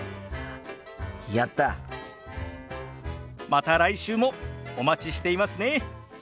また来週もお待ちしていますね。